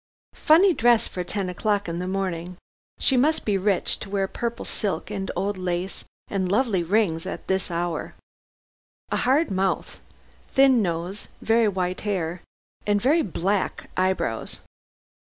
Funny dress for ten o'clock in the morning. She must be rich, to wear purple silk and old lace and lovely rings at this hour. A hard mouth, thin nose, very white hair and very black eyebrows.